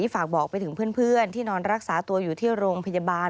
ฝากบอกไปถึงเพื่อนที่นอนรักษาตัวอยู่ที่โรงพยาบาล